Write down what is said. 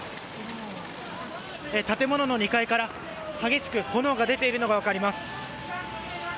建物の２階から激しく炎が出ているのが分かります。